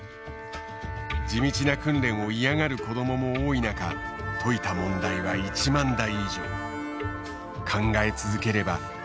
地道な訓練を嫌がる子どもも多い中解いた問題は１万題以上。